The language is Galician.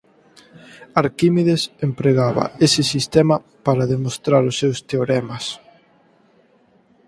Arquímedes empregaba ese sistema para demostrar os seus teoremas.